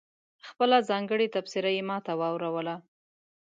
خپله ځانګړې تبصره یې ماته واوروله.